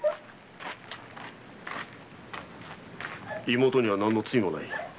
妹には何の罪もない。